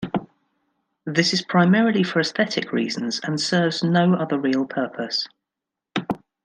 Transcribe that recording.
This is primarily for aesthetic reasons and serves no other real purpose.